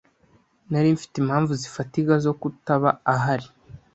Nari mfite impamvu zifatika zo kutaba ahari.